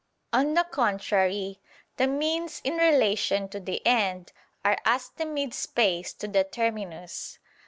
On the contrary, The means in relation to the end, are as the mid space to the terminus.